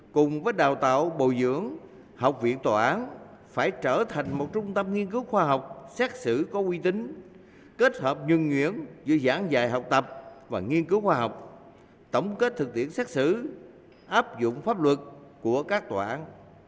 cùng với đào tạo bồi dưỡng học viện tòa án phải trở thành một trung tâm nghiên cứu khoa học xét xử có quy tính kết hợp nhuần nhuyễn giữa giảng dạy học tập và nghiên cứu khoa học tổng kết thực tiễn xác xử áp dụng pháp luật của các tòa án